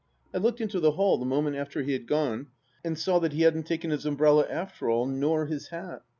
... I looked into the hall the moment after he had gone and saw that he hadn't taken his umbrella after all, nor his hat.